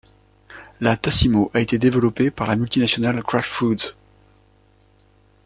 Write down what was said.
La Tassimo a été développée par la multinationale Kraft Foods.